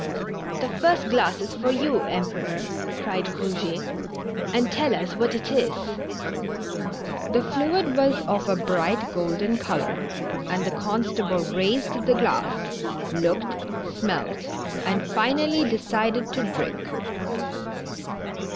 " The first glass is for you, Emperor," cried Eouget. " And tell us what it is." TASTING THE DRINK. 223 The fluid was of a bright golden color, and the con stable raised the glass, looked, smelt, and finally decided to drink.